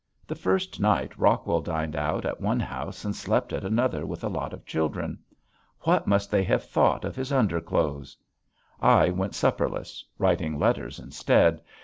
The first night Rockwell dined out at one house and slept at another with a lot of children. What must they have thought of his underclothes! I went supperless writing letters instead.